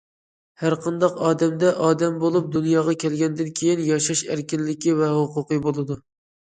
ھەرقانداق ئادەمدە ئادەم بولۇپ دۇنياغا كەلگەندىن كېيىن ياشاش ئەركىنلىكى ۋە ھوقۇقى بولىدۇ.